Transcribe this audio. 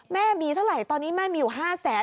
แม่มีเท่าไหร่ตอนนี้แม่มีอยู่๕แสน